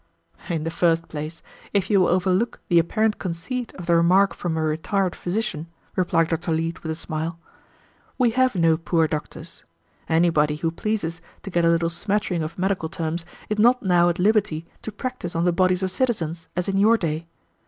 "In the first place, if you will overlook the apparent conceit of the remark from a retired physician," replied Dr. Leete, with a smile, "we have no poor doctors. Anybody who pleases to get a little smattering of medical terms is not now at liberty to practice on the bodies of citizens, as in your day.